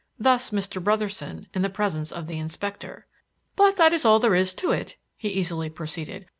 Thus Mr. Brotherson, in the presence of the Inspector. "But that is all there is to it," he easily proceeded.